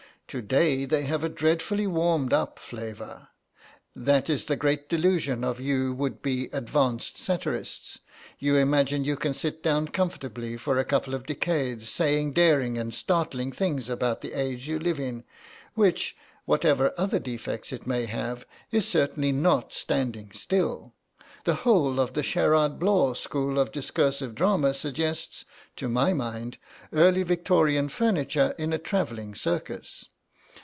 To day they have a dreadfully warmed up flavour. That is the great delusion of you would be advanced satirists; you imagine you can sit down comfortably for a couple of decades saying daring and startling things about the age you live in, which, whatever other defects it may have, is certainly not standing still. The whole of the Sherard Blaw school of discursive drama suggests, to my mind, Early Victorian furniture in a travelling circus.